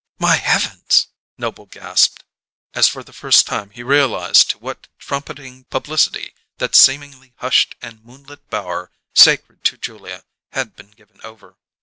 "My heavens!" Noble gasped, as for the first time he realized to what trumpeting publicity that seemingly hushed and moonlit bower, sacred to Julia, had been given over.